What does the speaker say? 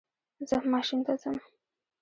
زه ماشین ته ځم